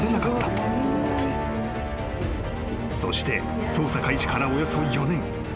［そして捜査開始からおよそ４年］